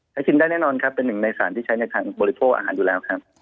ถ้ากินได้แน่นอนครับเป็นหนึ่งในสารที่ใช้ในการบริโภคอาหารอยู่แล้วครับ